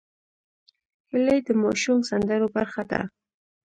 هیلۍ د ماشوم سندرو برخه ده